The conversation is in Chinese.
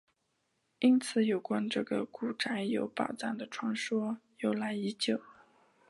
因此有关这个古宅有宝藏的传说由来已久。